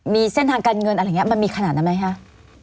มีเส้นทางการเงินอะไรอย่างนี้มันมีขนาดนั้นไหมคะ